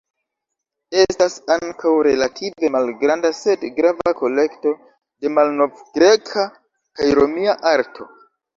Estas ankaŭ relative malgranda sed grava kolekto de malnovgreka kaj romia arto.